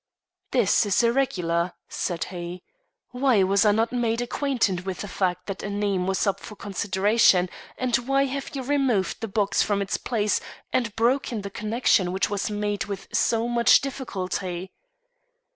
"This is irregular," said he. "Why was I not made acquainted with the fact that a name was up for consideration, and why have you removed the box from its place and broken the connection which was made with so much difficulty?"